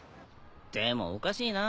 でもおかしいな。